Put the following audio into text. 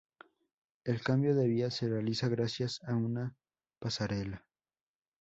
El cambio de vía se realiza gracias a una pasarela.